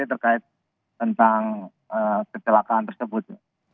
terkait tentang kecelakaan tersebut